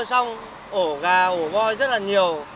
sông ổ gà ổ voi rất là nhiều